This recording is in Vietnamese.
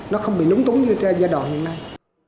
nó không bị lúng túng như giai đoạn hiện nay